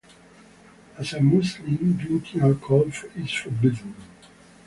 As a Muslim, drinking alcohol is forbidden.